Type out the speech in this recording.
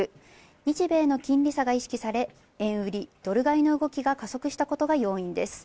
日米の金利差が意識され、円売り・ドル買いの動きが加速したことが要因です。